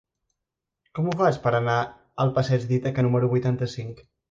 Com ho faig per anar al passeig d'Ítaca número vuitanta-cinc?